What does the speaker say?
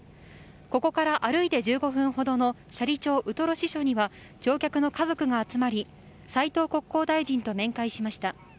ここから歩いて１５分ほどの斜里町ウトロ支所には乗客の家族が集まり斉藤国交大臣と面会しました。